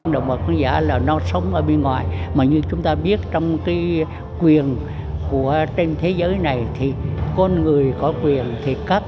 động vật hoang dã là nó sống ở bên ngoài mà như chúng ta biết trong cái quyền của trên thế giới này thì con người có quyền thì cắt